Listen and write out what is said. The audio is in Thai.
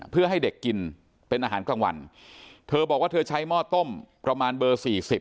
เพื่อให้เด็กกินเป็นอาหารกลางวันเธอบอกว่าเธอใช้หม้อต้มประมาณเบอร์สี่สิบ